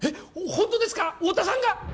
ホントですか太田さんが！？